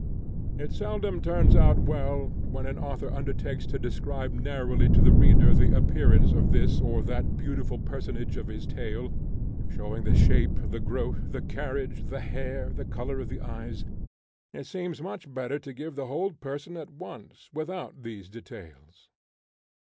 It seldom turns out well, when an author undertakes to describe narrowly to the reader the appearance of this or that beautiful personage of his tale, showing the shape, the growth, the carriage, the hair, the colour of the eyes; it seems much better to give the whole person at once, without these details.